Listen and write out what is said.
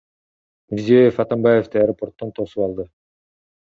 Мирзиёев Атамбаевди аэропорттон тосуп алды.